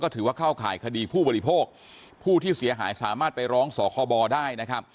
ถือว่าเข้าข่ายคดีผู้บริโภคผู้ที่เสียหายสามารถไปร้องสคบได้นะครับ